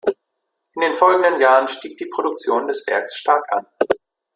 In den folgenden Jahren stieg die Produktion des Werks stark an.